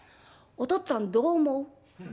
おとっつぁんどう思う？